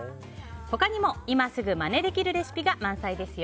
他にも、今すぐまねできるレシピが満載です。